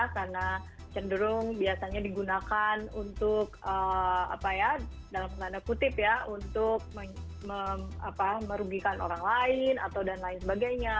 karena cenderung biasanya digunakan untuk apa ya dalam tanda kutip ya untuk merugikan orang lain atau dan lain sebagainya